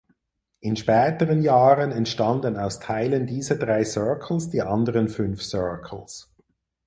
In späteren Jahren entstanden aus Teilen dieser drei Circles die anderen fünf Circles.